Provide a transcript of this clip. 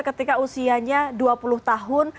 ketika usianya dua puluh tahun